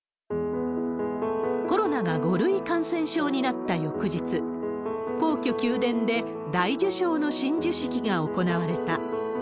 コロナが５類感染症になった翌日、皇居・宮殿で大綬章の親授式が行われた。